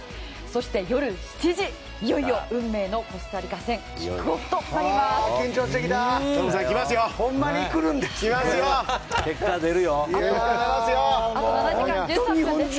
そして、夜７時いよいよ運命のコスタリカ戦キックオフとなります。